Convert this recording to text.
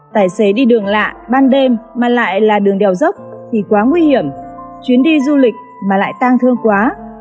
tài xế đi đường lạ ban đêm mà lại là đường đèo dốc thì quá nguy hiểm chuyến đi du lịch mà lại tang thương quá